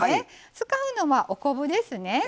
使うのは、お昆布ですね。